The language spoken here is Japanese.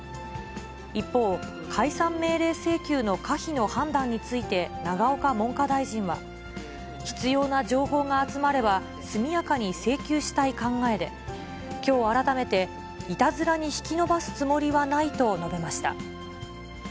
一方、解散命令請求の可否の判断について永岡文科大臣は、必要な情報が集まれば、速やかに請求したい考えで、きょう、改めていたずらに引き延ばすつもりはないと述べました。